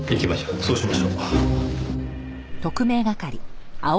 そうしましょう。